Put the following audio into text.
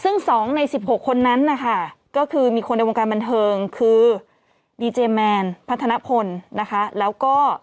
ซึ่ง๒ใน๑๖คนนั้นนะคะก็คือมีคนในวงการบันเทิงคือดีเจแมนพัฒนพลนะคะแล้วก็